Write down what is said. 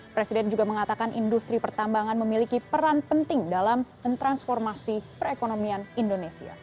presiden juga mengatakan industri pertambangan memiliki peran penting dalam mentransformasi perekonomian indonesia